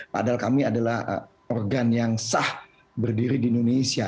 padahal kami adalah organ yang sah berdiri di indonesia